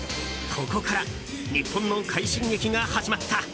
ここから日本の快進撃が始まった。